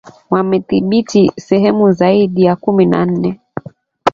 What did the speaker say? Wamedhibithi sehemu zaidi ya kumi na nne.